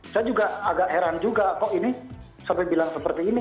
saya juga agak heran juga kok ini sampai bilang seperti ini